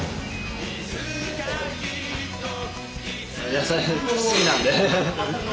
野菜好きなんで。